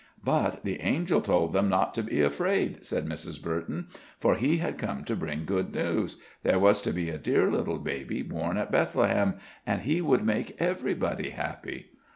"But the angel told them not to be afraid," said Mrs. Burton, "for he had come to bring good news. There was to be a dear little baby born at Bethlehem, and He would make everybody happy."